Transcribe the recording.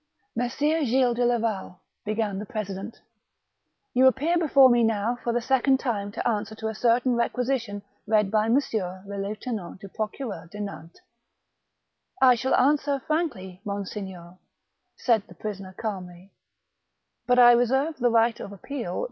" Messire Gilles de Laval," began the president; "you appear before me now for the second time to answer to a certain requisition read by M. le Lieutenant du Procureur de Nantes." " I shall answer frankly, monseigneur," said the prisoner calmly; "bat I reserve the right of appeal to THB MAE^CHAL DB RETZ.